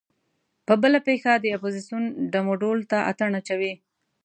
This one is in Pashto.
په بله پښه د اپوزیسون ډم و ډول ته اتڼ اچوي.